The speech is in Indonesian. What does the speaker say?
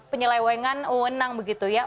penyelewengan uwenang begitu ya